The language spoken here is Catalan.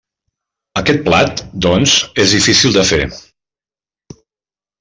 Aquest plat, doncs, és difícil de fer.